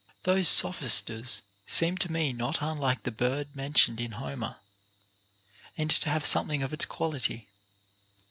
Those sophisters seem to me not unlike the bird mentioned in Homer, and to have something of its quality.